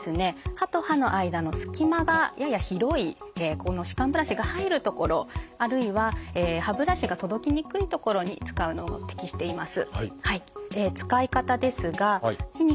歯と歯の間のすき間がやや広い歯間ブラシが入る所あるいは歯ブラシが届きにくい所に使うのに適しています。